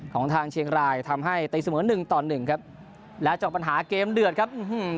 ของทางเชียงรายทำให้ตีเสมอหนึ่งต่อหนึ่งครับและจบปัญหาเกมเดือดครับ